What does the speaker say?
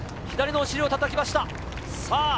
左のお尻を叩きました。